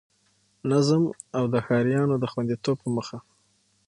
نظم او د ښاريانو د خوندیتوب په موخه